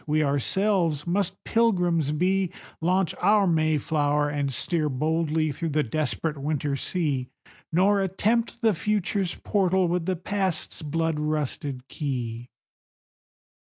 we ourselves must Pilgrims be, Launch our Mayflower, and steer boldly through the desperate winter sea, Nor attempt the Future's portal with the Past's blood rusted key.